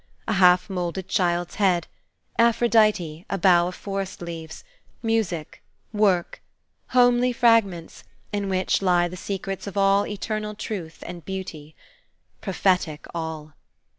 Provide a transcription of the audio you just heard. A half moulded child's head; Aphrodite; a bough of forest leaves; music; work; homely fragments, in which lie the secrets of all eternal truth and beauty. Prophetic all!